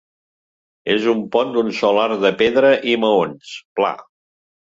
És un pont d'un sol arc de pedra i maons, pla.